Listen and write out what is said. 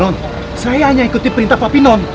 ron saya hanya ikuti perintah papi non